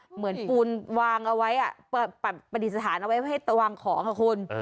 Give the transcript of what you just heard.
เหมือนปูนวางเอาไว้ปฏิสถานเอาไว้ให้ตะวางของค่ะคน